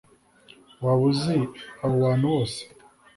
Waba uzi abo bantu bose